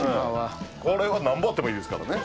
これは何ぼあってもいいですからね。